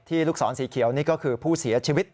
ลูกศรสีเขียวนี่ก็คือผู้เสียชีวิต